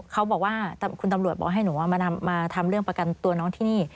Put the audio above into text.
เขาบอกว่าคุณตำรวจบอกให้หนูมาทำเรื่องประกันตัวน้องที่นี่